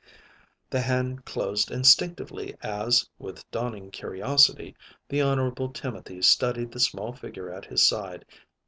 The hand closed instinctively as, with dawning curiosity, the Honorable Timothy studied the small figure at his side.